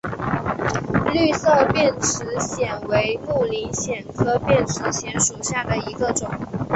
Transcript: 绿色变齿藓为木灵藓科变齿藓属下的一个种。